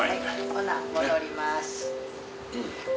ほな戻ります。